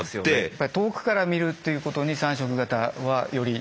やっぱり遠くから見るっていうことに３色型はより。